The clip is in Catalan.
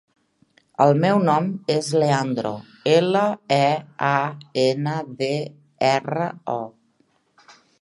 El meu nom és Leandro: ela, e, a, ena, de, erra, o.